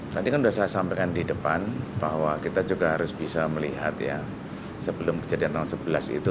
tadi kan sudah saya sampaikan di depan bahwa kita juga harus bisa melihat ya sebelum kejadian tanggal sebelas itu